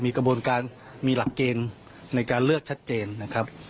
กระบวนการมีหลักเกณฑ์ในการเลือกชัดเจนนะครับ